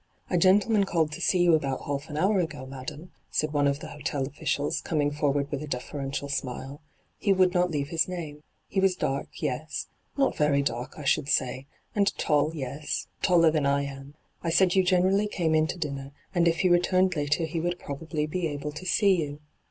' A gentleman called to see you about half an hour ago, madam,' said one of the hotel officials, coming forward with a deferential smila ' He would not leave his name. He was dark, yes — not very dark, I should say ; and tall, yes — taller than I am. I said you generally came in to dinner, and if he returned later he would probably be able to see you.